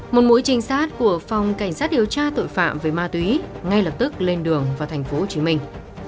một mũi trinh sát của phòng cảnh sát điều tra tội phạm về ma túy ngay lập tức lên đường vào thành phố hồ chí minh